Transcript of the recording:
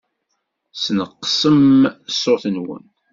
Sneqṣem ṣṣut-nwen.